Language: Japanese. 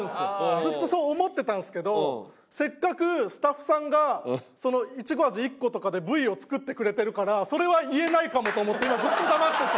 ずっとそう思ってたんですけどせっかくスタッフさんがイチゴ味１個とかでＶを作ってくれてるからそれは言えないかもと思って今ずっと黙ってて。